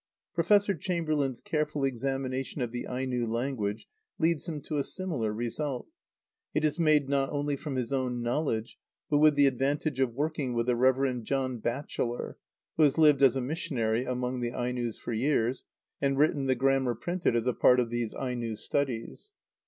Professor Chamberlain's careful examination of the Aino language leads him to a similar result. It is made not only from his own knowledge, but with the advantage of working with the Rev. John Batchelor, who has lived as a missionary among the Ainos for years, and written the Grammar printed as a part of these Aino Studies.